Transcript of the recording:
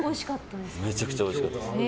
めちゃくちゃおいしかったです。